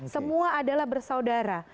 semua adalah bersaudara